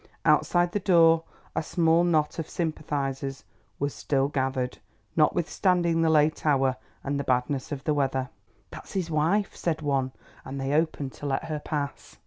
Outside the door a small knot of sympathisers was still gathered, notwithstanding the late hour and the badness of the weather. "That's his wife," said one, and they opened to let her pass.